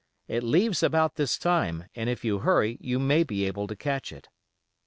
It leaves about this time, and if you hurry you may be able to catch it.